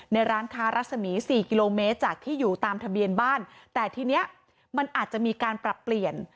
ร้านค้ารัศมี๔กิโลเมตรจากที่อยู่ตามทะเบียนบ้านแต่ทีนี้มันอาจจะมีการปรับเปลี่ยน